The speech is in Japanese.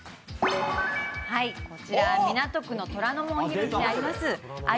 港区の虎ノ門ヒルズにあります鮎